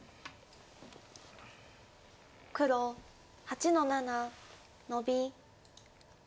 黒８の七ノビ。